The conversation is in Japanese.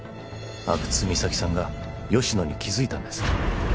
阿久津実咲さんが吉乃に気づいたんです